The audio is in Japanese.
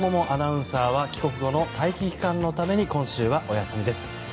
アナウンサーは帰国後の待機期間のために今週はお休みです。